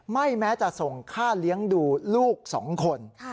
แม้จะส่งค่าเลี้ยงดูลูก๒คน